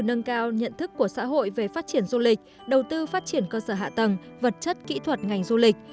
nâng cao nhận thức của xã hội về phát triển du lịch đầu tư phát triển cơ sở hạ tầng vật chất kỹ thuật ngành du lịch